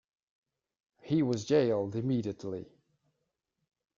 He was jailed immediately.